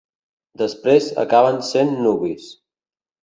Després, acaben sent nuvis.